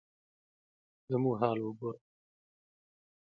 زموږ حال وګوره ؟